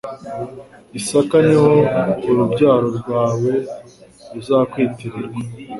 Isaka ni ho urubyaro rwawe ruzakwitirirwa